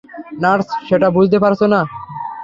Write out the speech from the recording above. Nurse সেটা বুঝতে পারছে না।